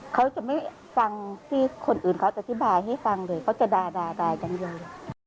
เขาจะไม่ฟังที่คนอื่นเขาจะที่บ่ายให้ฟังเลยเขาจะด่าด่ายังเยอะเลย